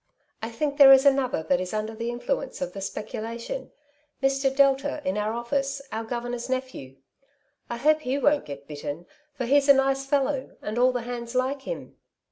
I think there ifs another that is under the influence of the specu lation — Mr. Delta, in our oflBce, our governor's nephew. I hope he won't get bitten, for he's a nice fellow, and all the hands like him."